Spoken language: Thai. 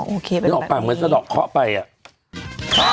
อ๋อโอเคเป็นแบบนี้เป็นออกปากเหมือนสระดอกเคาะไปอ่ะ